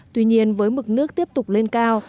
tuy nhiên với mực nước tiếp tục lên cao